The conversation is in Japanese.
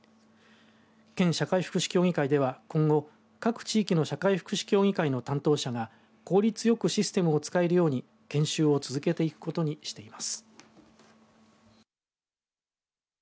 県社会福祉協議会では今後、各地域の社会福祉協議会の担当者が効率よくシステムを使えるように研修を続けていくことにしています。